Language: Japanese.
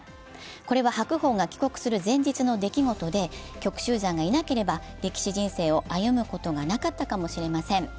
これは白鵬が帰国する前日の出来事で、旭鷲山がいなければ力士人生を歩むことがなかったかもしれません。